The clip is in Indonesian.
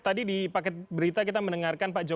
tadi di paket berita kita mendengarkan pak jokowi